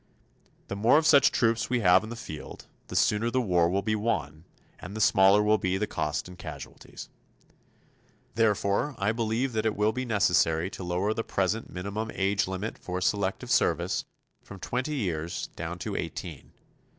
The more of such troops we have in the field, the sooner the war will be won, and the smaller will be the cost in casualties. Therefore, I believe that it will be necessary to lower the present minimum age limit for Selective Service from twenty years down to eighteen.